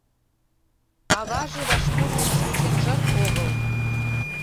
Аваже вашмутым вученжат огыл.